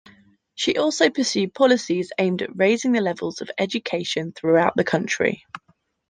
She also pursued policies aimed at raising the levels of education throughout the country.